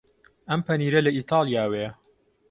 ئەم پەنیرە لە ئیتاڵیاوەیە.